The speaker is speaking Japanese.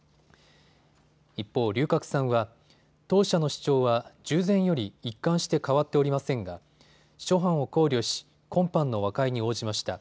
一方、龍角散は当社の主張は従前より一貫して変わっておりませんが諸般を考慮し今般の和解に応じました。